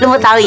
lu mau tau ya